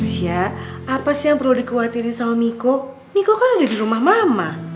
bilang ke miko kalau kado dari papa